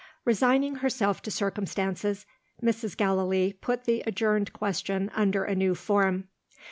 Resigning herself to circumstances, Mrs. Gallilee put the adjourned question under a new form.